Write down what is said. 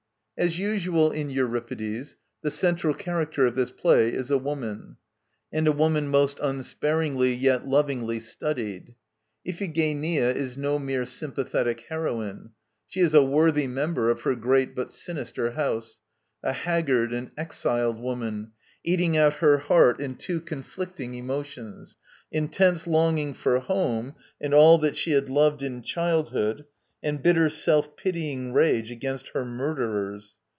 As usual in Euripides, the central character of this play is a woman, and a woman most unsparingly yet lovingly studied. Iphigenia is no mere 'sympathetic heroine.' She is a worthy member of her great but sinister house; a haggard and exiled woman, eating out her heart in two conflicting emotions: intense longing for home and all that she had loved in childhood, and bitter self pitying rage against 'her murderers.'